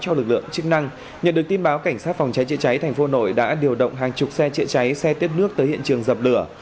theo lực lượng chức năng nhận được tin báo cảnh sát phòng cháy chữa cháy tp hà nội đã điều động hàng chục xe chữa cháy xe tiết nước tới hiện trường dập lửa